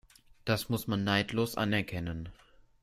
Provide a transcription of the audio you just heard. Das muss man neidlos anerkennen.